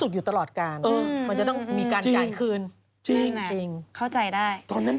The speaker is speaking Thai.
ช่วงนั้นน่ากมากเด็กราเวิฟต์มาก